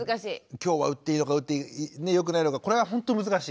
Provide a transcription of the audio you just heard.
今日は打っていいのか打ってよくないのかこれはほんと難しい。